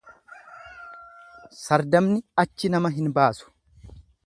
Sardamni achi nama hin baasu.